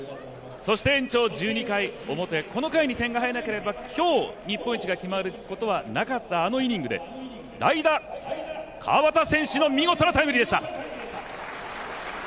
そして延長１２回表、この回に点が入らなければ今日、日本一が決まることはなかったあのイニングで代打・川端選手の見事なタイムリーでした。